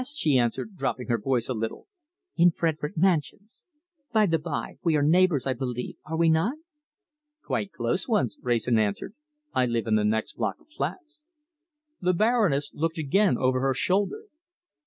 she answered, dropping her voice a little, "in Frederic Mansions. By the bye, we are neighbours, I believe, are we not?" "Quite close ones," Wrayson answered. "I live in the next block of flats." The Baroness looked again over her shoulder.